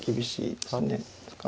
ですから。